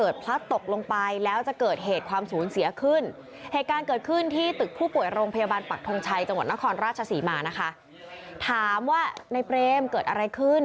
จังหวัดนครราชสีมานะคะถามว่าในเปรมเกิดอะไรขึ้น